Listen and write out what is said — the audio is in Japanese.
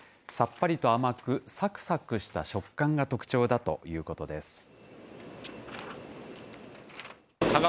さっぱりと甘く、さくさくした食感が特徴だということです。